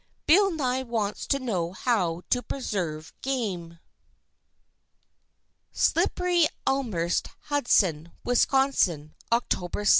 BILL NYE WANTS TO KNOW HOW TO PRESERVE GAME. SLIPPERYELMHURST, HUDSON, WIS., Oct. 6.